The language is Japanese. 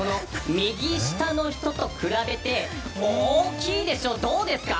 右下の人と比べて大きいでしょう、どうですか。